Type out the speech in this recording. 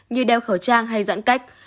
như đeo khẩu trang hay giãn cách